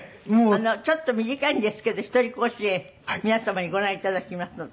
ちょっと短いんですけどひとり甲子園皆様にご覧頂きますので。